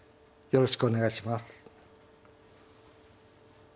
よろしくお願いします。